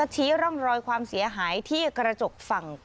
ชี้ร่องรอยความเสียหายที่กระจกฝั่ง